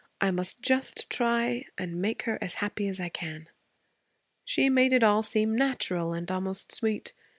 I must just try and make her as happy as I can.' She made it all seem natural and almost sweet.